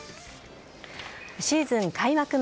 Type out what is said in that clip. シーズン開幕